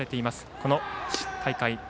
この大会。